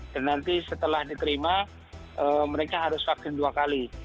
dan nanti setelah diterima mereka harus vaksin dua kali